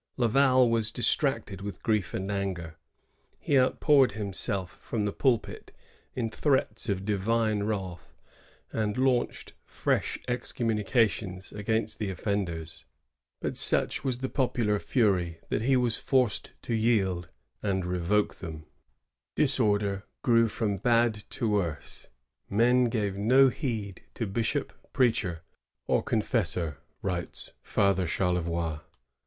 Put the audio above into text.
Laval was distracted with grief and anger. He outpoured himself from the pulpit in threats of divine wrath, and launched fresh exconununications ^ La Tour, Vie de Laval, lir. y. 182 LAVAL AND AVAUGOUR. [1662 64 against the offenders; but such was the popular fuiy that he was forced to yield and levoke them.^ Disorder grew from bad to worse. ^Men gave no heed to bishop, preacher, or confessor," writes Father Charlevoix.